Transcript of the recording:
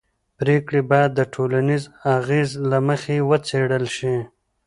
پرېکړې باید د ټولنیز اغېز له مخې وڅېړل شي